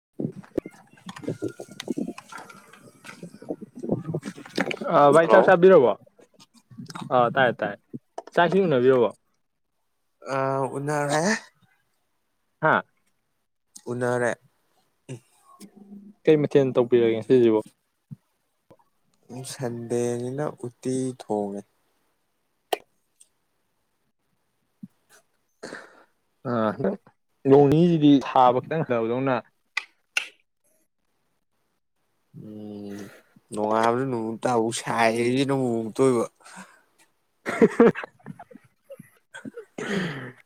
[inaudible] ꯑ ꯚꯥꯏ ꯆꯥꯛ ꯍꯜꯂꯣ ꯆꯥꯕꯤꯔꯣ ꯑ ꯇꯥꯏ ꯇꯥꯏ ꯆꯥꯛꯏꯁꯤꯡ ꯎꯅꯕꯤꯔꯕꯣ ꯑ ꯎꯅꯔꯦ ꯍꯥꯥ ꯎꯅꯔꯦ ꯀꯩ ꯃꯊꯦꯜ ꯇꯧꯕꯤꯔꯒꯦ ꯉꯁꯤꯁꯤꯕꯨ ꯎ ꯁꯟꯗꯦꯅꯤꯅ ꯎꯠꯇꯤ ꯊꯣꯡꯉꯦ ꯑ ꯅꯣꯡꯅꯤꯁꯤꯗꯤ ꯁꯥꯕ ꯈꯛꯇꯪ ꯍꯟꯊꯕꯗꯧꯅ ꯎꯝ ꯅꯨꯡꯉꯥꯏꯕ ꯇꯕꯨ ꯁꯥꯏꯌꯦ ꯁꯤꯅꯕꯨ ꯑꯃꯨꯛ ꯇꯣꯏꯕ [unintelligible] [unintelligible] ꯎꯝ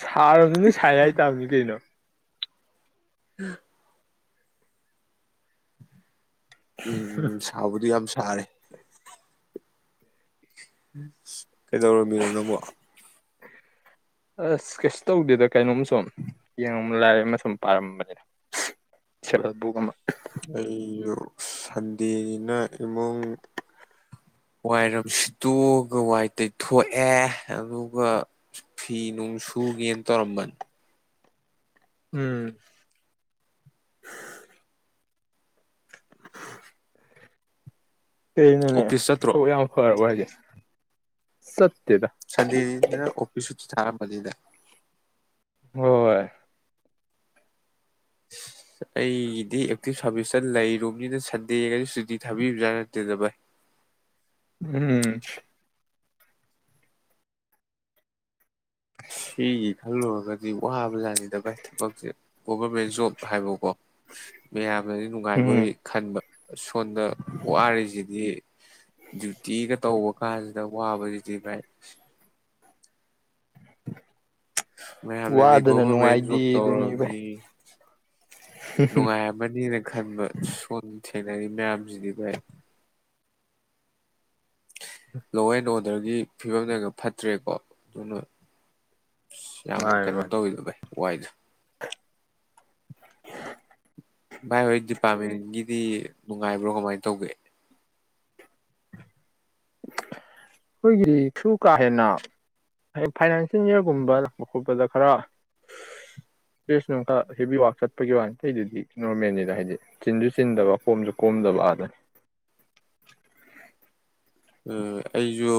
ꯁꯥꯔꯕꯅꯤꯅ ꯁꯥꯏ ꯍꯥꯏꯇꯕꯅꯤ ꯀꯩꯅꯣ [inaudible] ꯎꯝ ꯎꯝ ꯁꯥꯕꯨꯗꯤ ꯌꯥꯝꯁ ꯁꯥꯔꯦ ꯎꯝ ꯀꯩꯗꯧꯔꯃꯤꯅꯣ ꯅꯪꯕꯨ ꯑꯁ ꯀꯩꯁꯨ ꯇꯧꯗꯦꯗ ꯀꯩꯅꯣꯝ ꯁꯨꯝ ꯌꯦꯡꯉ ꯂꯥꯏꯔꯤꯛ ꯑꯃ ꯁꯨꯝ ꯄꯥꯔꯝꯕꯅꯦ ꯁꯦꯜꯐ ꯍꯦꯜ ꯕꯨꯛ ꯑꯃ ꯑꯩꯁꯨ ꯁꯟꯗꯦꯅꯤꯅ ꯏꯃꯨꯡ ꯋꯥꯏꯔꯝ ꯁꯤꯠꯇꯣꯛꯑꯒ ꯋꯥꯏ ꯇꯩꯊꯣꯛꯑꯦ ꯑꯗꯨꯒ ꯐꯤ ꯅꯨꯡ ꯁꯨꯒꯦꯅ ꯇꯧꯔꯝꯕꯅꯤ ꯎꯝ ꯀꯩꯅꯣꯅꯦ ꯑꯣꯐꯤꯁ ꯆꯠꯇ꯭ꯔꯣ ꯊꯕꯛ ꯌꯥꯝ ꯐꯔꯕꯣ ꯍꯥꯏꯁꯦ ꯆꯠ ꯁꯟꯗꯦꯅꯤꯅ ꯑꯣꯐꯤꯁ ꯊꯔꯥꯝꯃꯅꯤꯗ ꯍꫭ ꯍꯣꯏ ꯑꯩꯒꯤꯗꯤ ꯑꯦꯛꯇꯤꯚ ꯁꯥꯔꯚꯤꯁꯇ ꯂꯩꯔꯨꯕꯅꯤꯅ ꯁꯟꯗꯦꯒꯗꯤ ꯁꯨꯇꯤ ꯊꯥꯕꯤꯕꯖꯥꯠ ꯅꯠꯇꯦꯗ ꯚꯥꯏ ꯎꯝ ꯁꯤꯒꯤ ꯈꯜꯂꯨꯔꯒꯗꯤ ꯋꯥꯕꯖꯥꯠꯅꯤꯗ ꯚꯥꯏ ꯊꯕꯛꯁꯦ ꯒꯣꯚꯔꯃꯦꯟ ꯖꯣꯕ ꯍꯥꯏꯕꯀꯣ ꯃꯌꯥꯝꯅꯗꯤ ꯎꯝ ꯅꯨꯡꯉꯥꯏꯕꫭꯏ ꯈꯟꯕ ꯁꯣꯝꯗ ꯋꯥꯔꯤꯁꯤꯗꯤ ꯗꯤꯎꯇꯤꯒ ꯇꯧꯕ ꯀꯥꯟꯖꯤꯗ ꯋꯥꯕꯖꯤꯗꯤ ꯚꯥꯏ ꯃꯥꯌꯝꯅꯗꯤ ꯋꯥꯗꯅ ꯒꫭꯕ꯭ꯔꯃꯦꯟ ꯖꫭꯞ ꯅꯨꯡꯉꯥꯏꯗꯦꯗꯨꯅꯤ ꯚꯥꯏ ꯇꯧꯔꯝꯅꯤ ꯅꯨꯡꯉꯥꯏ ꯔꯝꯃꯥꯅꯤ ꯅꯪ ꯈꯟꯕ ꯁꯣꯟ ꯊꯦꯡꯅꯔꯤ ꯃꯌꯥꯝꯖꯤꯗꯤ ꯚꯥꯏ ꯂꯣ ꯑꯦꯟ ꯑꯣꯔꯗꯔꯒꯤ ꯐꯤꯕꯝꫪꯒ ꯐꯠꯇ꯭ꯔꯦꯀꯣ ꯑꯗꯨꯅ ꯌꯥꯝ ꯃꯥꯅꯤ ꯀꯩꯅꯣ ꯃꯥꯅꯤ ꯇꯧꯋꯤꯗ ꯚꯤꯏ ꯋꯥꯏꯠ ꯗ ꯚꯥꯏ ꯍꯣꯏ ꯗꯤꯄꯥꯔꯠꯃꯦꯟꯒꯤꯗꯤ ꯅꯨꯡꯉꯥꯏꯕ꯭ꯔꯣ ꯀꯃꯥꯏꯅ ꯇꯧꯒꯦ ꯑꯩꯈꯣꯏꯒꯤꯗꯤ ꯁꯨ ꯀꯥ ꯍꯦꯟꯅ ꯐꯥꯏꯅꯥꯟꯁꯤꯌꯦꯜ ꯏꯌꯥꯔꯒꯨꯝꯕ ꯂꯥꯛꯄ ꯈꯣꯠꯄꯗ ꯈꯔ [unintelligible] [unintelligible] ꯑꯃꯨꯛꯀꯥ ꯍꯦꯕꯤ ꯋꯥꯔꯛ ꯆꯠꯄꯒꯤ ꯋꯥ ꯑꯇꯩꯗꯨꯗꯤ ꯅꯣꯔꯃꯦꯜꯅꯤꯗ ꯍꯥꯏꯗꯤ ꯆꯤꯟꯖꯨ ꯆꯤꯟꯗꯕ ꯀꯣꯝꯖꯨ ꯀꯣꯝꯗꯕ ꯑꯗꯨꯅꯤ ꯎꯝ ꯑꯩꯖꯨ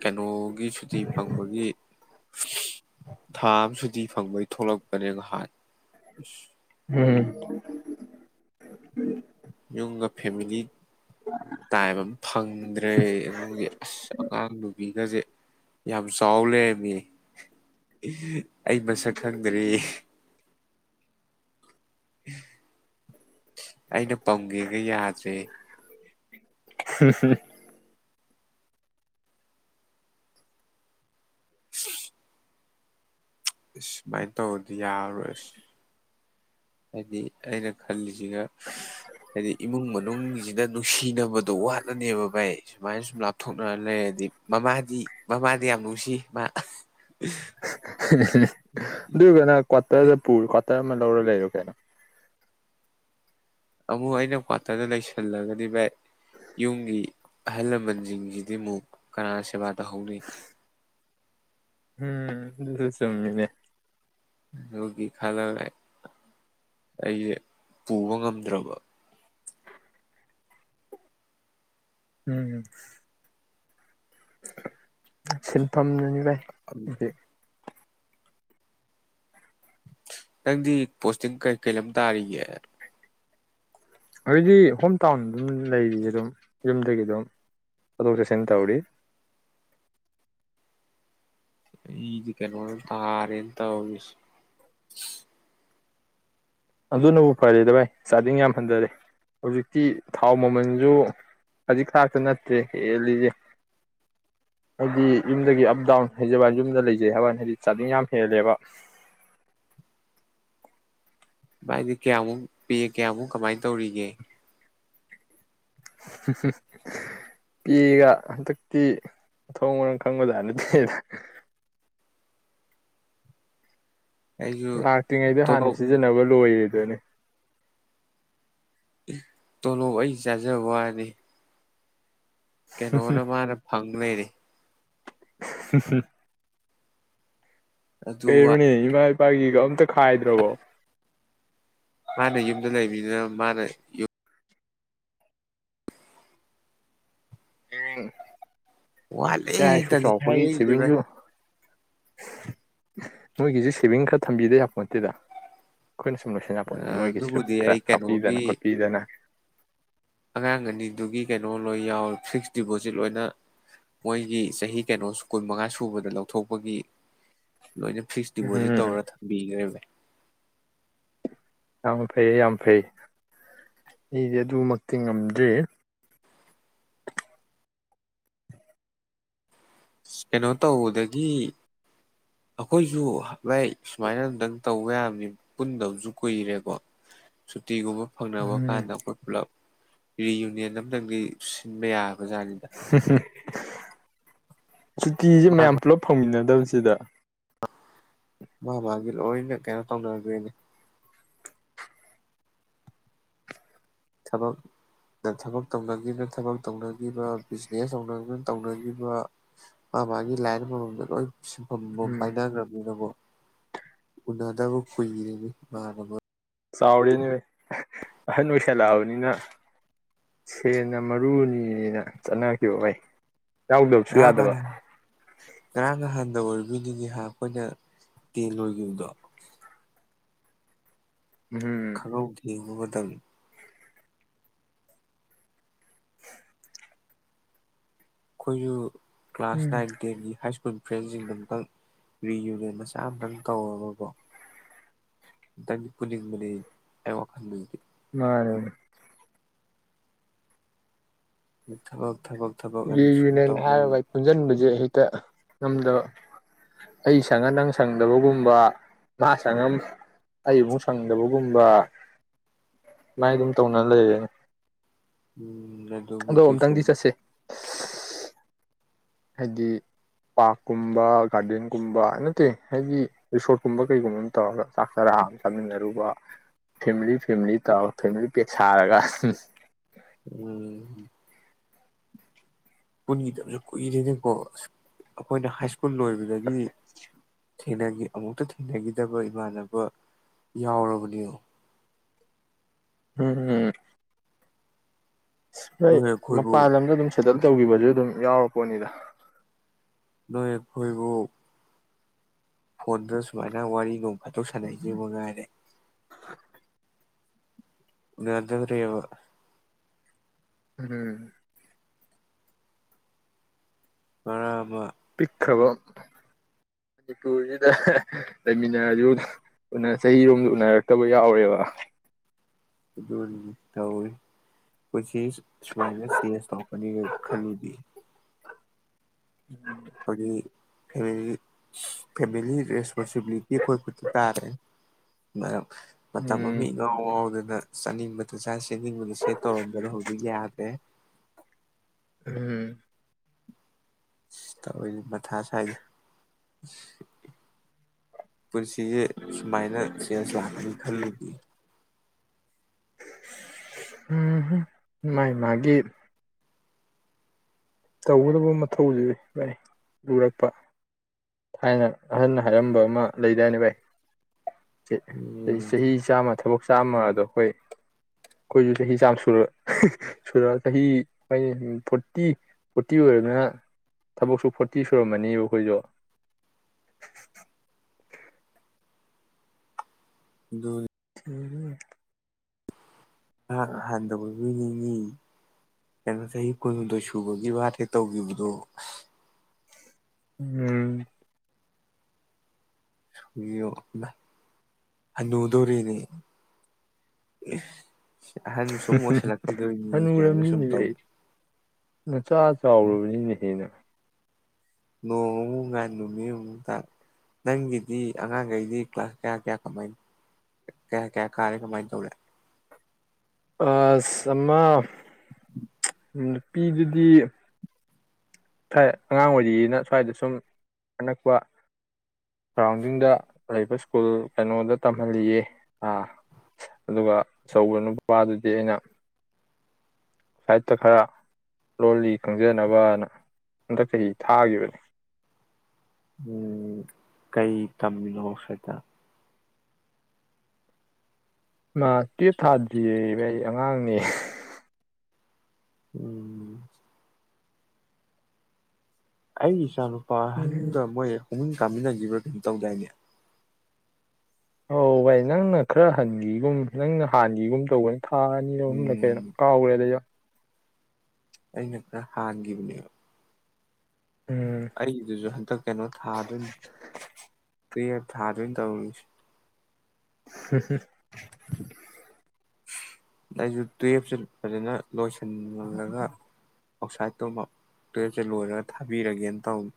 ꯀꯩꯅꯣꯒꯤ ꯁꯨꯇꯤ ꯐꯪꯕꯒꯤ [unintelligible] ꯊꯥ ꯑꯝ ꯁꯨꯇꯤ ꯐꯪꯕꯩ ꯊꯣꯛꯂꯛꯄꯅꯦ ꯉꯥꯏꯍꯥꯟ ꯑꯁ ꯎꯝ [inaudible] ꯌꯨꯝꯒ ꯐꯦꯃꯤꯂꯤ ꯇꯥꯏꯝ ꯑꯝ ꯐꯪꯗ꯭ꯔꯦ ꯑꯗꯨꯒꯤ ꯑꯁ ꯑꯉꯥꯡ ꯅꯨꯕꯤ ꯁꯤꯗꯖꯦ ꯌꯥꯝ ꯆꯥꯎ ꯂꯩꯔꯝꯃꯦ [unintelligible] ꯑꯩ ꯃꯁꯛ ꯈꯪꯗ꯭ꯔꯦ [unintelligible] ꯑꯩꯅ ꯄꯥꯝꯒꯦꯒ ꯌꯥꯗ꯭ꯔꯦ [unintelligible] [unintelligible] [unintelligible] ꯁꯨꯃꯥꯏꯅ ꯇꯧꯔꯗꯤ ꯌꯥꯔꯔꯣꯏ [unintelligible] ꯍꯥꯏꯗꯤ ꯑꯩꯅ ꯈꯜꯂꯤꯁꯤꯒ ꯍꯥꯏꯗꯤ ꯏꯃꯨꯡ ꯃꯅꯨꯡꯒꯤꯖꯤꯗ ꯅꯨꯡꯁꯤꯅꯕ ꯑꯗꯨ ꯋꯥꯠꯂꯅꯦꯕ ꯚꯥꯏ ꯁꯨꯃꯥꯏ ꯁꯨꯝ ꯂꯞꯊꯣꯛꯅꯔ ꯂꯩꯔꯗꯤ ꯃꯃꯥꯗꯤ ꯃꯃꯥꯗꯤ ꯌꯥꯝ ꯅꯨꯡꯁꯤ ꯃꯥ [unintelligible] ꯑꯗꯨ ꯑꫭꯏꯔꯒꯅ ꯀꯨꯠꯇ꯭ꯔꯗ ꯄꯨꯔꫭ ꯀꯨꯠꯇ꯭ꯔ ꯀ꯭ꯋꯥꯇꯔ ꯑꯃꯥ ꯂꯧꯔ ꯂꯩꯔꫭ ꯀꯩꯅꯣ ꯑꯃꯨꯛ ꯑꯩꯅ ꯀ꯭ꯋꯥꯇꯔꯗ ꯂꯩꯁꯜꯂꯒꯗꯤ ꯚꯥꯏ ꯌꯨꯝꯒꯤ ꯑꯍꯜ ꯂꯃꯟꯖꯤꯡꯖꯤꯗꯤ ꯑꯃꯨꯛ ꯀꯅꯥꯅ ꯁꯦꯕꯥ ꯇꯧꯍꯧꯅꯤ ꯎꯝ ꯑꯗꯨꯁꯨ ꯆꯨꯝꯃꯤꯅꯦ ꯑꯗꯨꯒꯤ ꯈꯜꯂ ꯑꯩ ꯑꯩꯖꯦ ꯄꯨꯕ ꯉꯝꯗ꯭ꯔꯕ ꯎꯝ [unintelligible] ꯁꯤꯟꯐꯝꯅꯅꯤ ꯚꯥꯏ [unintelligible] ꯅꯪꯗꯤ ꯄꯣꯁꯇꯤꯡ ꯀꯩ ꯀꯩ ꯂꯝ ꯇꯥꯔꯤꯒꯦ ꯍꯧꯖꯤꯗꯤ ꯍꯣꯝ ꯇꯥꯎꯟ ꯑꯗꯨꯝ ꯂꯩꯔꯤ ꯑꯗꯨꯝ ꯌꯨꯝꯗꯒꯤ ꯑꯗꯨꯝ ꯆꯠꯊꯣꯛ ꯆꯠꯁꯤꯟ ꯇꯧꯔꯤ ꯑꯩꯗꯤ ꯀꯩꯅꯗ ꯊꯥꯔꯦꯅꯦ ꯇꯧꯔꯤꯖꯦ ꯑꯗꯨꯅꯕꯨ ꯐꯔꯦꯗ ꯚꯥꯏ ꯆꯥꯗꯤꯡ ꯌꯥꯝ ꯍꯟꯊꯔꯦ ꯍꯧꯖꯤꯛꯇꯤ ꯊꯥꯎ ꯃꯃꯜꯖꯨ ꯈꯖꯤꯛ ꯈꯔꯛꯇꯥ ꯅꯠꯇ꯭ꯔꯦ ꯍꯦꯜꯂꯤꯖꯦ ꯍꯥꯏꯗꯤ ꯌꯨꯝꯗꯒꯤ ꯑꯞ ꯗꯥꯎꯟ ꯍꯩꯖꯕꯩ ꯋꯅꯤ ꯌꯨꯝꯗꯒ ꯂꯩꯖꯩ ꯍꯥꯏꯖꯕꯩ ꯋꯥꯅꯤ ꯆꯥꯖꯤꯡ ꯌꯥꯝ ꯍꯦꯜꯂꯦꯕ ꯚꯥꯏꯗꯤ ꯀꯌꯥꯃꯨꯛ ꯄꯦ ꯀꯌꯥꯃꯨꯛ ꯀꯃꯥꯏꯅ ꯇꯧꯔꯤꯒꯦ [unintelligible] ꯄꯦꯒ ꯍꯟꯗꯛꯇꯤ ꯃꯊꯣꯡ ꯃꯔꯝ ꯈꯪꯕꯖꯥꯠ ꯅꯠꯇꯦꯕ ꯑꯩꯁꯨ ꯂꯥꯛꯇ꯭ꯔꯤꯉꯩꯗ ꯍꯥꯟꯅ ꯇꯣꯂꯣꯞ ꯁꯤꯖꯤꯟꯅꯕ ꯂꯣꯏꯔꯦ ꯑꯗꯨꯅꯦ ꯇꯣꯂꯣꯞ ꯑꯩ ꯆꯥꯖꯕ ꯋꯥꯅꯤ ꯀꯩꯅꯣꯅ ꯃꯥꯅ ꯐꯪ ꯂꯩꯔꯦ [inaudible] ꯑꯗꯨ ꯀꯩꯅꯣꯅꯦ ꯏꯃꯥꯏ [unintelligible] ꯒꯤꯒ ꯑꯝꯇ ꯈꯥꯏꯗ꯭ꯔꯕꯣ ꯃꯥꯅ ꯌꯨꯝꯗ ꯂꯩꯕꯅꯤꯅ ꯃꯥꯅ ꯎꯝ ꯋꯥꯠꯂꯦ ꯏꯆꯥ ꯏꯁꯨ ꯍꯦꯛꯇꯗꯤ ꯆꯥꯎꯔꯛꯄꯒꯤ ꯍꯥꯏꯔꯛꯏꯁꯦ ꯚꯥꯏ ꯁꯦꯚꯤꯡꯁꯨ ꯃꯣꯏꯒꯤꯁꯨ ꯁꯦꯚꯤꯡ ꯈꯔ ꯊꯝꯕꯤꯗ ꯌꯥꯄꯣꯠꯇꯦꯗ ꯑꯩꯈꯣꯏꯅ ꯁꯨꯝ ꯂꯣꯏꯁꯤꯟ ꯌꯥꯄꯣꯟꯇꯦ ꯃꯣꯏꯒꯤꯁꯨ ꯑꯗꯨꯕꯨꯗꯤ ꯈꯔ ꯑꯩ ꯀꯩꯅꯣꯒꯤ ꯍꯥꯞꯄꯤꯗꯅ ꯈꯣꯠꯄꯤꯗꯅ ꯑꯉꯥꯡ ꯑꯅꯤꯗꯨꯒꯤ ꯀꯩꯅꯣ ꯂꯣꯏ ꯌꯥꯎꯋꯤ ꯐꯤꯛꯁ ꯗꯤꯄꯣꯖꯤꯠ ꯂꯣꯏꯅ ꯃꯣꯏꯒꯤ ꯆꯍꯤ ꯀꯩꯅꯣ ꯀꯨꯟꯃꯉꯥ ꯁꯨꯕꯗ ꯂꯧꯊꯣꯛꯄꯒꯤ ꯂꯣꯏꯅ ꯐꯤꯛꯁ ꯗꯤꯄꯣꯖꯤꯠ ꯎꯝ ꯇꯧꯔ ꯊꯝꯕꯤꯈ꯭ꯔꯦꯕ ꯌꯥꯝ ꯐꯩꯌꯦ ꯌꯥꯝ ꯐꯩ ꯑꯩꯗꯤ ꯑꯗꯨꯃꯛꯇꯤ ꯉꯝꯗ꯭ꯔꯤ ꯀꯩꯅꯣ ꯇꯧꯕꯗꯒꯤ ꯑꯩꯈꯣꯏꯁꯨ ꯚꯥꯏ ꯁꯨꯃꯥꯏꯅ ꯑꯝꯇꯪ ꯇꯧꯕ ꯌꯥꯕꯅꯤ ꯄꯨꯟꯗꯕꯁꯨ ꯀꯨꯏꯔꯦꯀꯣ ꯁꯨꯇꯤꯒꯨꯝꯕ ꯐꯪꯅꯕ ꯎꯝ ꯀꯥꯟꯗ ꯑꯩꯈꯣꯏ ꯄꯨꯜꯂꯞ ꯔꯤ ꯌꯨꯅꯤꯌꯟ ꯑꯝꯇꯪꯗꯤ ꯁꯤꯟꯕ ꯌꯥ [unintelligible] ꯁꯨꯇꯤꯁꯦ ꯃꯥ ꯃꯌꯥꯝ ꯄꯨꯂꯞ ꯐꯪꯃꯤꯟꯅꯗꯦ ꯃꯥꯟꯅꯗꯕꯁꯤꯗ ꯃꯥ ꯃꯥꯒꯤ ꯂꯣꯏꯅ ꯀꯩꯅ ꯇꯧꯅꯒꯔ꯭ꯦꯅꯦ ꯊꯕꯛ ꯊꯕꯛ ꯇꯧꯅꯈꯤꯕ ꯊꯕꯛ ꯇꯧꯅꯈꯤꯕ ꯕꯤꯖꯤꯅꯦꯁ ꯇꯧꯅꯕꯅ ꯇꯧꯅꯈꯤꯕ ꯃꯥ ꯃꯥꯒꯤ ꯂꯥꯏꯟ ꯑꯃꯃꯝꯗ ꯂꯣꯏ ꯁꯤꯟꯐꯝ ꯑꯃꯃꯝ ꯎꯝ ꯄꯥꯏꯅꯈ꯭ꯔꯕꯅꯤꯅ ꯀꯣ ꯎꯅꯗꯕ ꯀꯨꯏꯔꯦꯅꯦ ꯏꯃꯥꯅꯕ ꯆꯥꯎꯔꯦꯅꯦ ꯑꯍꯟ ꯑꯣꯏꯁꯜꯂꯛꯑꯕꯅꯤꯅ ꯁꯦꯟꯅ ꯃꯔꯨꯅꯤꯅꯦꯅ ꯆꯠꯅꯈꯤꯕ ꯚꯥꯏ ꯌꯥꯎꯗꯕꯁꯨ ꯉꯔꯥꯡ ꯌꯥꯗꯕ ꯉꯍꯥꯟ ꯉꯔꯥꯡ ꯅꯍꯥꯟꯗ ꯑꯣꯏꯔꯤꯕꯣꯏ ꯅꯤꯡꯉꯤꯍꯥ ꯑꯩꯈꯣꯏꯅ ꯇꯦꯟ ꯂꯣꯏꯈꯤꯕꯗꯣ ꯎꯝ ꯈꯪꯍꯧꯗꯦ ꯃꯇꯝ ꯑꯩꯈꯣꯏꯁꯨ ꯀ꯭ꯂꯥꯁ ꯎꯝ ꯅꯥꯏꯟ ꯇꯦꯟꯒꯤ ꯍꯥꯏ ꯁꯀ꯭ꯨꯜ ꯐ꯭ꯔꯦꯟꯁꯤꯡꯗꯣ ꯑꯃꯨꯛꯇꯪ ꯔꯤꯌꯨꯅꯤꯌꯟ ꯃꯆꯥ ꯑꯃꯇꯪ ꯇꯧꯔꯒꯀꯣ ꯑꯝꯇꯪꯗꯤ ꯄꯨꯅꯤꯡꯕꯅꯤ ꯑꯩ ꯋꯥꯈꯟꯗꯗꯤ ꯃꯥꯅꯦ ꯊꯕꯛ ꯊꯕꯛ ꯊꯕꯛ ꯑꯅ ꯁꯨꯝ ꯔꯤꯌꯨꯅꯤꯌꯟ ꯇꯧ ꯂꯩ ꯍꯥꯏꯔꯒ ꯚꯥꯏ ꯄꯨꯟꯁꯤꯟꯕꯁꯦ ꯉꯝꯗꯕ ꯑꯩ ꯁꯪꯉ ꯅꯪ ꯁꯪꯗꯕꯒꯨꯝꯕ ꯃꯥ ꯁꯪꯉ ꯑꯩꯃꯨꯛ ꯁꯪꯗꯕꯒꯨꯝꯕ ꯁꯨꯃꯥꯏꯅ ꯑꯗꯨꯝ ꯇꯧꯅ ꯂꯩꯔꯦꯅꯦ ꯎꯝ ꯑꯗꯣ ꯑꯗꯨꯕꯨꯗꯤ ꯁꯨꯝ ꯑꯨꯛꯇꯪꯗꯤ ꯆꯠꯁꯦ ꯍꯥꯏꯗꯤ ꯄꯥꯔꯛꯀꯨꯝꯕ ꯒꯥꯔꯗꯦꯟꯒꯨꯝꯕ ꯅꯠꯇꯦ ꯍꯥꯏꯕꯗꯤ ꯔꯤꯁꯣꯔꯠꯀꯨꯝꯕ ꯀꯩꯒꯨꯝꯕ ꯑꯃ ꯇꯧꯔꯒ ꯆꯥꯛ ꯆꯔꯥ ꯑꯃ ꯆꯥꯃꯤꯟꯅꯔꯨꯕ ꯐꯦꯃꯤꯂꯤ ꯐꯦꯂꯤ ꯇꯧꯔꯒ ꯐꯦꯃꯤꯂꯤ ꯄꯦꯛ ꯁꯥꯔꯒ ꯎꯝ ꯀꯟꯗꯕ ꯀꯨꯏꯔꯤꯅꯦꯀꯣ ꯑꯁ ꯑꯩꯈꯣꯏꯅ ꯍꯥꯏ ꯁ꯭ꯀꯨꯜ ꯂꯣꯏꯕꯗꯒꯤ ꯊ ꯑꯃꯨꯛꯇ ꯊꯦꯡꯅꯈꯤꯗꯕ ꯏꯃꯥꯟꯅꯕ ꯌꯥꯎꯔꯕꯅꯤ ꯎꯝ ꯎꯝ ꯑ ꯍꯣꯏ ꯅꯣꯏ ꯑꯩꯈꯣꯏꯕꯨ ꯃꯄꯥꯟ ꯂꯝꯗ ꯑꯗꯨꯝ ꯁꯗꯜ ꯇꯧꯈꯤꯕꯁꯨ ꯑꯗꯨꯝ ꯌꯥꯎꯔꯛꯄꯣꯅꯤꯗ ꯅꯣꯏ ꯐꯣꯏꯔꯤꯕꯣꯛ ꯐꯁꯨꯃꯅ ꯋꯥꯔꯤꯒꯨꯝ ꯑꯆꯣꯛ ꯁꯥꯟꯅꯏꯁꯦꯕꯨ ꯉꯥꯏꯔꯦ [inaudible] ꯗꯕ ꯎꯝ ꯔꯕꯔ ꯄꯤꯛꯈ꯭ꯔꯕ ꯃꯅꯤꯄꯨꯔꯁꯤꯗ ꯂꯩꯃꯤꯟꯅꯔꯁꯨ ꯆꯍꯤꯔꯣꯝꯗ ꯎꯅꯔꯛꯇꯕ ꯌꯥꯎꯔꯦꯕ ꯊ ꯑꯣꯏ ꯆ ꯁꯨꯃꯥꯏ ꯁꯤ ꯑꯦ ꯁ ꯇ ꯑꯅꯤꯒ ꯈꯜꯂꯤꯗ ꯈꯣꯏꯗꯤ ꯍꯦꯜꯂꯤ ꯁꯤꯁ ꯐꯦꯃꯤꯂꯤ ꯔꯦꯁꯄꯣꯁꯤꯕꯤꯂꯤꯇꯤ ꯑꯩꯈꯣꯏ ꯈꯨꯗꯤ ꯇꯥꯔꯦ ꯃꯇꯝ ꯑꯃ ꯎꯝ ꯏꯉꯥꯎ ꯉꯥꯎꯔꯗꯅ ꯆꯥꯅꯤꯡꯕꯇ ꯆꯥ ꯁꯦꯠꯅꯤꯡꯕꯅ ꯁꯦ ꯇꯧꯔꯝꯕꯗꯣ ꯍꯧꯖꯤꯛ ꯌꯥꯗꯦ ꯎꯝ ꯁꯤꯁ ꯇꯧꯔꯤꯁꯤ ꯃꯊꯥꯥꯁꯥꯏꯗ ꯄꯨꯟꯁꯤꯁꯦ ꯁꯨꯃꯥꯏꯅ ꯆꯦꯁ ꯂꯥꯛꯀꯅꯤ ꯈꯜꯂꯨꯗꯤ ꯎꯝ ꯃꯥꯏ ꯃꯥꯒꯤ ꯇꯧꯒꯗꯕ ꯃꯊꯧꯁꯤ ꯚꯥꯏ ꯂꯨꯔꯛꯄ ꯊꯥꯏꯅ ꯑꯍꯟꯅ ꯍꯥꯏꯔꯝꯕ ꯑꯃ ꯂꯩꯗꯥꯏꯅꯤ ꯚꯥꯏ ꯎꯝ ꯆꯍꯤ ꯆꯥꯝꯃ ꯊꯕꯛ ꯆꯥꯝꯃ ꯑꯗꯣ ꯑꯩꯈꯣꯏ ꯑꯩꯈꯣꯏꯁꯨ ꯆꯍꯤ ꯆꯥꯝꯃ ꯁꯨꯔ ꯁꯨꯔ ꯆꯍꯤ ꯑꯩꯈꯣꯏ ꯐꯣꯔꯇꯤ ꯐꯣꯔꯇꯤ ꯑꯣꯏꯔꯃꯤꯅ ꯊꯕꯛꯁꯨ ꯐꯣꯔꯇꯤ ꯁꯨꯔꯝꯃꯅꯦꯕ ꯑꯩꯈꯣꯏꯁꯨ ꯗꯨꯅꯤ [inaudible] ꯅꯍꯥꯛ ꯍꯟꯊ ꯑꯣꯏ ꯃꯤꯅꯤꯡꯉꯤ ꯆꯍꯤ ꯀꯨꯟꯍꯨꯝꯗꯣꯏ ꯁꯨꯕꯒꯤ ꯋꯥꯠꯇꯦ ꯇꯧꯈꯤꯕꯗꯣ ꯎꯝ ꯌꯣ ꯍꯥꯅꯨꯗꯧꯔꯦꯅꯦ ꯁꯨꯃꯥꯏꯅ ꯁꯨꯝ ꯍꯅꯨꯔꯔꯕꯅꯤꯅꯦ ꯇꯧꯋꯤ ꯑꯩ ꯅꯆꯥ ꯆꯥꯎꯔꯕꯅꯤꯅ ꯍꯦ ꯅꯪ ꯅꯣꯡꯃꯨꯛ ꯉꯥꯜꯒꯅꯨꯃꯤ ꯑꯃꯨꯛ ꯇꯥ ꯅꯪꯒꯤꯗꯤ ꯑꯉꯥꯡꯈꯩꯗꯤ ꯀ꯭ꯂꯥꯁ ꯀꯌꯥ ꯀꯌꯥ ꯀꯃꯥꯏ ꯀꯌꯥ ꯀꯌꯥ ꯀꯥꯔꯦ ꯀꯃꯥꯏ ꯇꯧꯔꯦ ꯑꯁ ꯑꯃ ꯅꯨꯄꯤꯗꯨꯗꯤ ꯊꯏ ꯑꯉꯥꯡ ꯑꯣꯏꯔꯤꯅ ꯁ꯭ꯋꯥꯏꯗ ꯁꯨꯝ ꯑꯅꯛꯄ ꯁꯔꯥꯎꯟꯗꯤꯡꯗ ꯂꯩꯕ ꯁ꯭ꯀꯨꯜ ꯀꯩꯅꯣꯗ ꯇꯝꯍꯜꯂꯤꯌꯦ ꯑꯥ ꯑꯗꯨꯒ ꯑꯆꯧꯕ ꯅꯨꯄꯥꯗꯨꯗꯤ ꯑꯩꯅ ꯁꯥꯏꯠꯇ ꯈꯔ ꯂꯣꯜꯂꯤ ꯈꯪꯖꯅꯕꯅ ꯍꯟꯗꯛ ꯆꯍꯤ ꯊꯥꯈꯤꯕꯅꯤ ꯎꯝ ꯀꯩ ꯇꯝꯃꯤꯅ ꯑꯣꯁꯥꯏꯇ ꯃꯥ ꯇꯨꯌꯦꯞ ꯊꯥꯗ꯭ꯔꯤꯌꯦ ꯑꯩ ꯑꯩ ꯑꯉꯥꯡꯅꯦ ꯎꯝ ꯑꯩꯒꯤ ꯏꯆꯥꯅꯨ ꯄꯍꯟꯒ ꯃꯣꯏ ꯄꯨꯛꯃꯤꯟ ꯀꯥꯃꯤꯟꯅꯈꯤꯕ꯭ꯔꯥ ꯀꯩꯅꯣ ꯇꯧꯗꯥꯏꯅꯦ ꯑꯧ ꯚꯥꯏ ꯅꯪꯅ ꯈꯔ ꯍꯟꯈꯤꯒꯨꯝ ꯅꯪꯅ ꯍꯥꯟꯒꯤꯒꯨꯝ ꯇꯧꯕꯅꯤ ꯊꯥ ꯑꯅꯤꯔ ꯑꯍꯨꯝꯂꯛ ꯎꯝ ꯀꯩꯅꯣ ꯀꯥꯎꯈꯔꯦꯗꯁꯨ ꯑꯩꯅ ꯈꯔ ꯍꯥꯟꯈꯤꯕꯅꯦꯕ ꯎꯝ ꯑꯩꯗꯨꯁꯨ ꯍꯟꯗꯛ ꯀꯩꯅꯣ ꯊꯥꯗꯣꯏꯅꯤ ꯇꯨꯌꯦꯟ ꯊꯥꯗꯣꯏꯅꯦ ꯇꯧꯔꯤꯁꯦ ꯁ ꯍꯦ ꯑꯩꯁꯨ ꯇꯨꯌꯦꯞ ꯁꯦ ꯐꯖꯅꯥ ꯂꯣꯏꯁꯤꯜꯂꯒ ꯑꯥꯎꯁꯥꯏꯇꯨꯃ ꯇꯨꯌꯦꯞꯁꯦ ꯂꯣꯏꯔꯒ ꯊꯥꯕꯤꯔꯒꯦꯅ ꯇꯧꯅꯤ